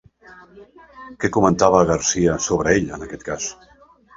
Què comentava García sobre ell en aquest cas?